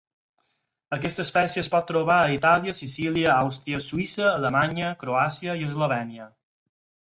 Aquesta espècie es pot trobar a Itàlia, Sicília, Àustria, Suïssa, Alemanya, Croàcia i Eslovènia.